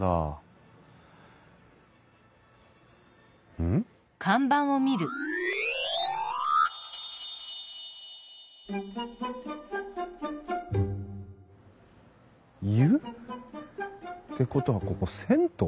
うん？湯？ってことはここ銭湯？